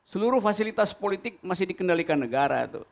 seluruh fasilitas politik masih dikendalikan negara